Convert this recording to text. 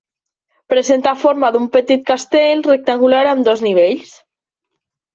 Presenta forma d'un petit castell rectangular amb dos nivells.